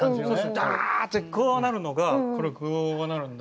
ダーッてこうなるのがこれをこうなるんで。